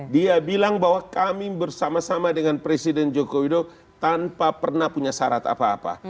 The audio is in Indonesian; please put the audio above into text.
dia bilang bahwa kami bersama sama dengan presiden joko widodo tanpa pernah punya syarat apa apa